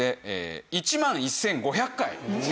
１万１５００。